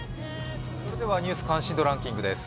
それでは「ニュース関心度ランキング」です。